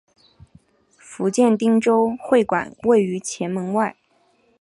福建汀州会馆位于前门外。